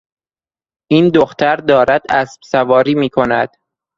این دختر دارد اسب سواری می کند.